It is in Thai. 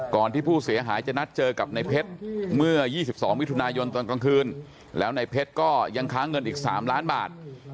ที่ผู้เสียหายจะนัดเจอกับในเพชรเมื่อ๒๒มิถุนายนตอนกลางคืนแล้วในเพชรก็ยังค้างเงินอีก๓ล้านบาท